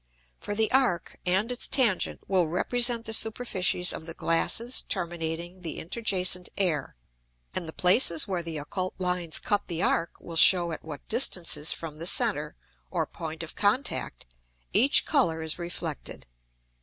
For the Arc, and its Tangent, will represent the Superficies of the Glasses terminating the interjacent Air; and the places where the occult Lines cut the Arc will show at what distances from the center, or Point of contact, each Colour is reflected.